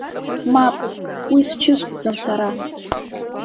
Мап, уи счысхәӡам сара.